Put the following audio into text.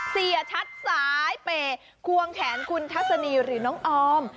เสียชัดสายเป่ควงแขนคุณทัศนีหรือน้องออม